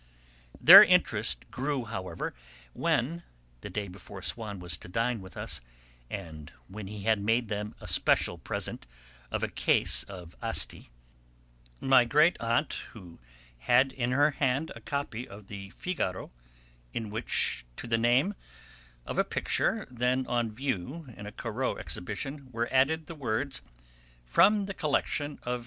Their interest grew, however, when, the day before Swann was to dine with us, and when he had made them a special present of a case of Asti, my great aunt, who had in her hand a copy of the Figaro in which to the name of a picture then on view in a Corot exhibition were added the words, "from the collection of M.